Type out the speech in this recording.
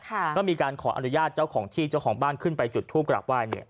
ก็มีการขออนุญาตเจ้าของที่เจ้าของบ้านขึ้นไปจุดทูปกราบไหว้เนี่ย